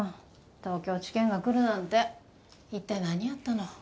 東京地検が来るなんて一体何やったの？